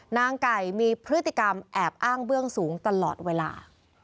นางไก่มีพฤติกรรมแอบอ้างเบื้องสูงตลอดเวลา